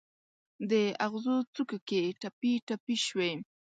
د اغزو څوکو کې ټپي، ټپي شوي